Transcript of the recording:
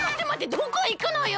どこいくのよ！？